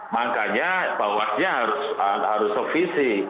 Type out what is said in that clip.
makanya bawahnya harus se visi